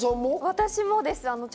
私もです。